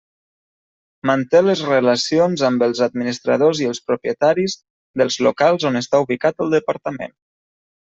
Manté les relacions amb els administradors i els propietaris dels locals on està ubicat el Departament.